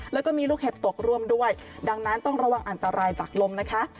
แล้วก็มีลูกเห็บตกร่วมด้วยดังนั้นต้องระวังอันตรายจากลมนะคะ